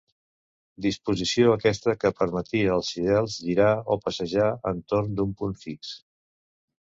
Disposició aquesta que permetia als fidels girar, o passejar, entorn d'un punt fix.